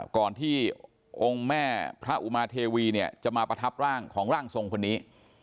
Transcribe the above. ก่อนที่องค์แม่พระอุมาเทวีเนี่ยจะมาประทับร่างของร่างทรงคนนี้